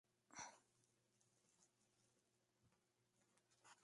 Él ha publicado un avance de su canción "Photograph".